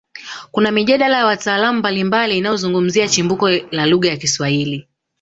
Kuna mijadala ya wataalamu mbalimbali inayozungumzia chimbuko la lugha ya Kiswahili